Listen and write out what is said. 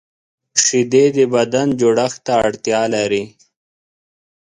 شیدې د بدن جوړښت ته اړتیا لري